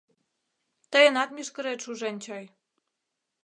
— Тыйынат мӱшкырет шужен чай.